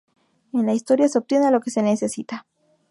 En la historia "¡Se obtiene lo que se necesita!